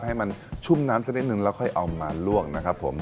ให้มันชุ่มน้ำสักนิดนึงแล้วค่อยเอามาลวกนะครับผม